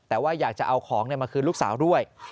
แต่ว่าอยากจะเอาของมาคืนลูกสาวด้วย